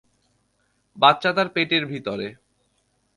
বাচ্চা তার পেটের ভিতরে।